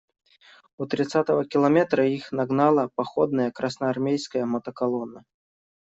У тридцатого километра их нагнала походная красноармейская мотоколонна.